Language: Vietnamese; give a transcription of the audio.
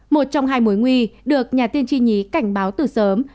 một trong hai mối nguy được nhà tiên tri nhí cảnh báo từ sớm